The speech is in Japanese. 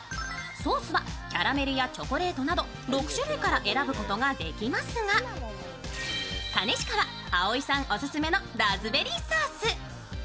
ソースはキャラメルやチョコレートなど６種類から選ぶことができますが兼近はあおいさんオススメのラズベリーソース。